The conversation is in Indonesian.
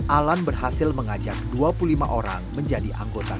alan berhasil mengajak dua puluh lima orang menjadi anggota